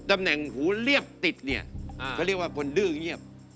แหนหูเรียบติดเนี่ยเขาเรียกว่าคนดื้อเงียบ